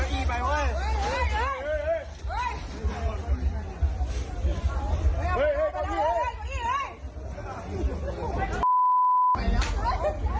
เกินได้ทางไหนครับ